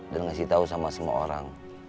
dan ngasih tau sama semua orang